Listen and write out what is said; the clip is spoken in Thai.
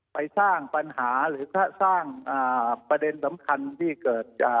ไปสร้างปัญหาหรือถ้าสร้างประเด็นสำคัญที่เกิด